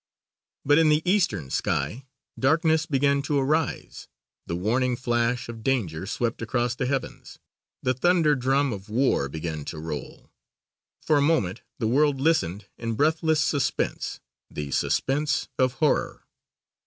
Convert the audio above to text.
But in the eastern sky, darkness began to arise, the warning flash of danger swept across the heavens, the thunder drum of war began to roll. For a moment the world listened in breathless suspense, the suspense of horror.